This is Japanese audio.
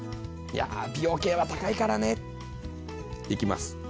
いやあ美容系は高いからね。いきます。